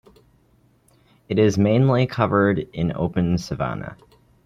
It is mainly covered in open savanna.